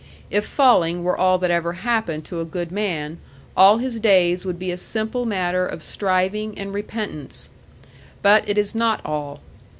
If falling were all that ever happened to a good man, all his days would be a simple matter of striving and repentance. But it is not all.